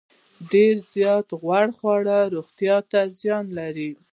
ډیر زیات غوړ خواړه روغتیا ته زیان لري.